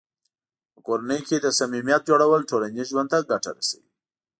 په کورنۍ کې د صمیمیت جوړول ټولنیز ژوند ته ګټه رسوي.